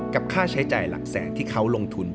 ค่าใช้จ่ายหลักแสนที่เขาลงทุน